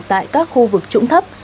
tại các khu vực trũng thấp